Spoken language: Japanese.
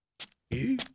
えっ？